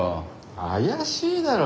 怪しいだろ。